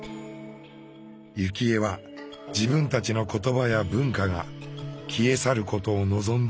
幸恵は自分たちの言葉や文化が消え去ることを望んでいません。